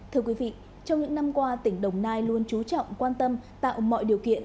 trong những năm qua tỉnh đồng nai luôn trú trọng quan tâm tạo mọi điều kiện